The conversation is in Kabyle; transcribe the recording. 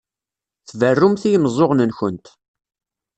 Tberrumt i yimeẓẓuɣen-nkent.